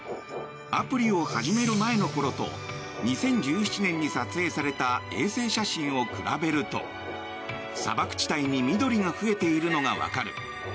アプリを始める前の頃と２０１７年に撮影された衛星写真を比べると砂漠地帯に緑が増えているのがわかる。